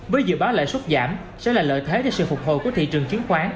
với dự báo lãi suất giảm sẽ là lợi thế cho sự phục hồi của thị trường chứng khoán